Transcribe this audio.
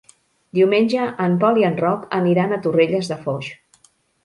Diumenge en Pol i en Roc aniran a Torrelles de Foix.